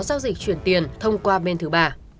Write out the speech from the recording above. giao dịch chuyển tiền thông qua bên thứ ba